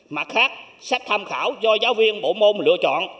mặt khác xét tham khảo do giáo viên bộ môn lựa chọn